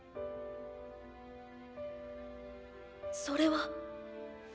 それは。